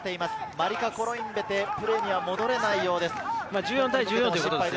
マリカ・コロインベテ、プレーには戻れないようです。